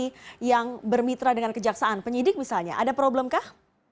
bagaimana dengan instansi yang bermitra dengan kejaksaan penyidik misalnya ada problem kah